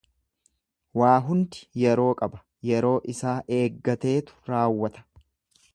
Waa hundi yeroo qaba, yeroo isaa eeggateetu raawwata.